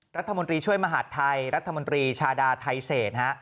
รัฐมนตรีช่วยมหาดไทยรัฐมนตรีชาดาไทเศษฮะ